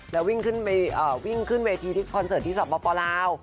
แล้ววิ่งขึ้นเวทีที่คอนเซิร์ตที่สำหรับฟอร์แลาว